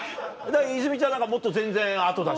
泉ちゃんなんかもっと全然後だしな。